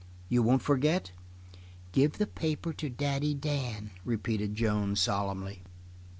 You won't forget?" "Give the paper to Daddy Dan," repeated Joan solemnly.